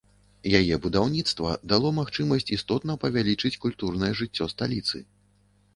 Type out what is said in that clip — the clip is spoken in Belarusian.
Яе будаўніцтва дало магчымасць істотна павялічыць культурнае жыццё сталіцы.